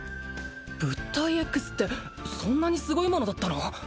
物体Ｘってそんなにすごいものだったの！？